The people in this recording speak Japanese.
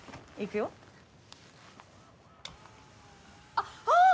あっあぁ！